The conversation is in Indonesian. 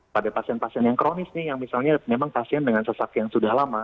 pada pasien pasien yang kronis nih yang misalnya memang pasien dengan sesak yang sudah lama